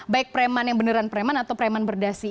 baik preman yang beneran preman atau preman berdasi